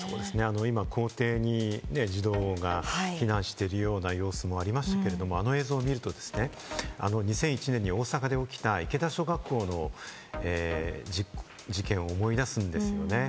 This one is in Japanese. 今、校庭に児童が避難しているような様子もありましたけれども、あの映像を見るとですね、２００１年に大阪で起きた池田小学校の事件を思い出すんですよね。